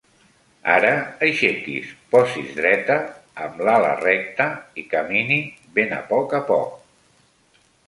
Ara aixequi's, posi's dreta, amb l'ala recta i camini ben a poc a poc.